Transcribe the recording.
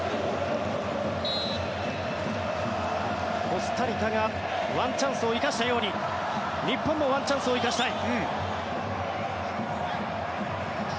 コスタリカがワンチャンスを生かしたように日本もワンチャンスを生かしたい。